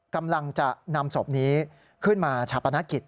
กำลังจะนำศพนี้ขึ้นมาชาปนกิจ